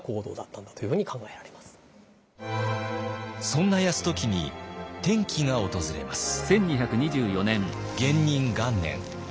そんな泰時に転機が訪れます。